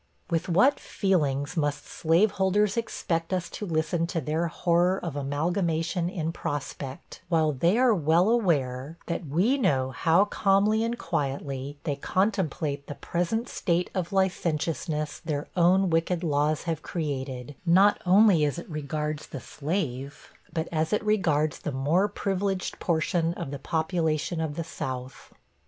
With what feelings must slaveholders expect us to listen to their horror of amalgamation in prospect, while they are well aware that we know how calmly and quietly they contemplate the present state of licentiousness their own wicked laws have created, not only as it regards the slave, but as it regards the more privileged portion of the population of the South?